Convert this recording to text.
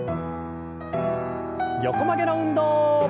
横曲げの運動。